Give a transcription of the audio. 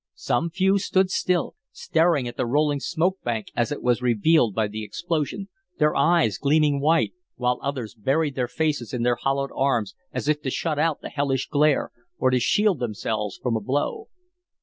Some few stood still, staring at the rolling smoke bank as it was revealed by the explosion, their eyes gleaming white, while others buried their faces in their hollowed arms as if to shut out the hellish glare, or to shield themselves from a blow.